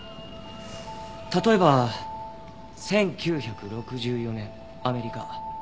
例えば１９６４年アメリカ。